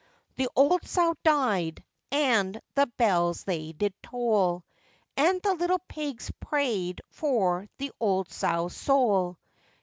The old sow died, and the bells they did toll, And the little pigs prayed for the old sow's soul!